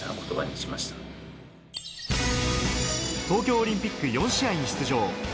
東京オリンピック４試合に出場。